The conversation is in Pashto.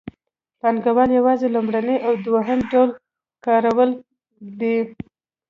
پانګوال یوازې لومړنی او دویم ډول ورکړي دي